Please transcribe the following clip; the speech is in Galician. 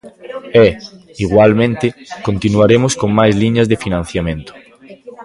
E, igualmente, continuaremos con máis liñas de financiamento.